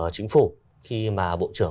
chính phủ khi mà bộ trưởng